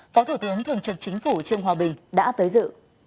phó thủ tướng thường trực chính phủ trương hòa bình đã tới dự